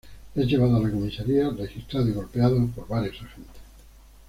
Es llevado a la comisaría, registrado y golpeado por varios agentes.